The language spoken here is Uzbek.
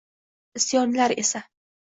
Isyonlar esa